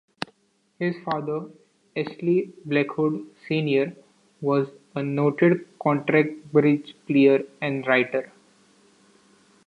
His father, Easley Blackwood Senior was a noted contract bridge player and writer.